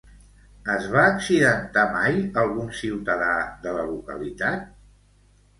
Es va accidentar mai algun ciutadà de la localitat?